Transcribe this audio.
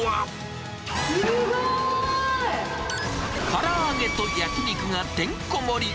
から揚げと焼き肉がてんこ盛り。